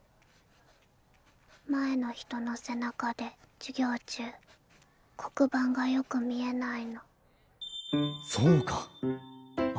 前の人の背中で授業中黒板がよく見えないの。